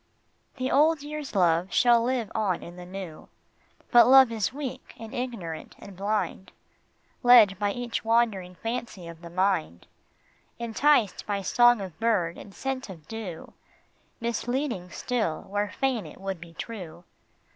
The old year's love shall live on in the new. But love is weak and ignorant and blind, Led by each wandering fancy of the mind, Enticed by song of bird and scent of dew, Misleading still where fain it would be true.